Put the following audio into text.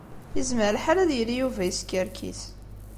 Yezmer lḥal ad yili Yuba yeskerkis.